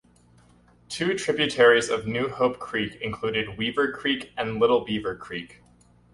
Two tributaries of New Hope Creek include Weaver Creek and Little Beaver Creek.